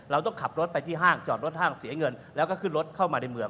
เราต้องขับรถไปที่ห้างจอดรถห้างเสียเงินแล้วก็ขึ้นรถเข้ามาในเมือง